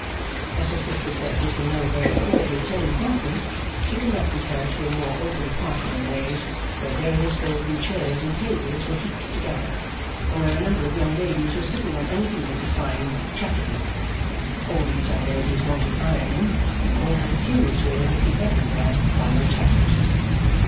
As her sister said this in no very cordial tone of welcome, she conducted her to a more open part of the maze, where various golden chairs and tables were heaped together, and where a number of young ladies were sitting on anything they could find, chattering. All these young ladies wanted ironing, and all had a curious way of looking everywhere while they chattered.